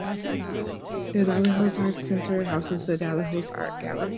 The Dalhousie Arts Centre houses the Dalhousie Art Gallery.